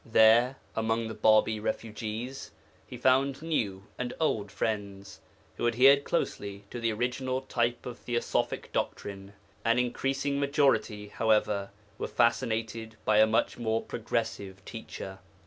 There, among the Bābī refugees, he found new and old friends who adhered closely to the original type of theosophic doctrine; an increasing majority, however, were fascinated by a much more progressive teacher.